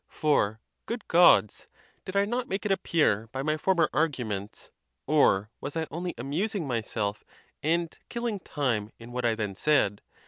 For, good Gods! did I not make it appear, by my former arguments—or was I only amusing myself and killing time in what I then said